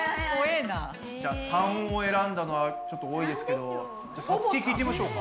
じゃ③を選んだのはちょっと多いですけどさつき聞いてみましょうか。